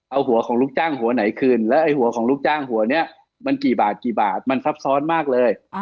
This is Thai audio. เอาหัวของลูกจ้างหัวไหนคืนแล้วไอ้หัวของลูกจ้างหัวนี้มันกี่บาทกี่บาทมันซับซ้อนมากเลย